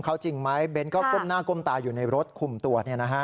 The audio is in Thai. เขาจริงไหมเบนส์ก็ก้มหน้าก้มตาอยู่ในรถคุมตัวเนี่ยนะฮะ